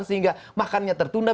sehingga makannya tertunda